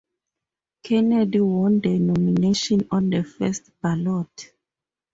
Kennedy won the nomination on the first ballot.